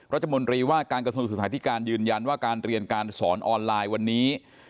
รัฐมนตรีว่าการกระทรวงศึกษาธิการยืนยันว่าการเรียนการสอนออนไลน์วันนี้